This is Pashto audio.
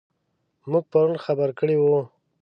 موږ پرون خبره کړې وه.